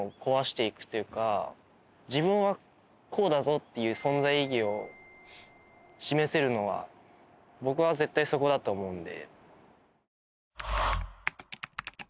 自分はこうだぞっていう存在意義を示せるのは僕は絶対そこだと思うんで。